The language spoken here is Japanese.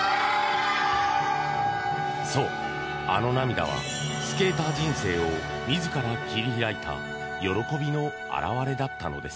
そう、あの涙はスケーター人生を自ら切り開いた喜びの表れだったのです。